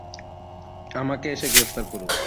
আমাকে এসে গ্রেফতার করুন।